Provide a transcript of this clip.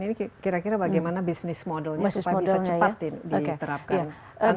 ini kira kira bagaimana bisnis modelnya supaya bisa cepat diterapkan